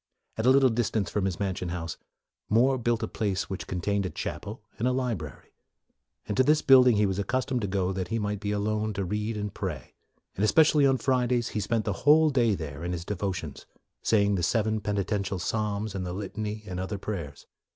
At a little distance from his mansion house, More built a place which contained a chapel and a library; and to this build ing he was accustomed to go that he might be alone to read and pray; and especially on Fridays, he spent the whole day there, in his devotions, saying the seven peni tential psalms and the litany and other prayers.